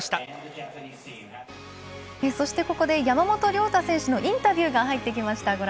山本涼太選手のインタビューが入ってきました。